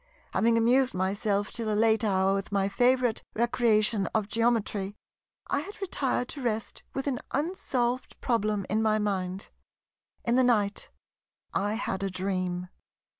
Having amused myself till a late hour with my favourite recreation of Geometry, I had retired to rest with an unsolved problem in my mind. In the night I had a dream.